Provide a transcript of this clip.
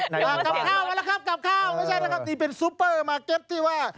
กลับข้าวแล้วนะครับกลับข้าวนี่เป็นซูเปอร์มาร์เก็ตที่ว่า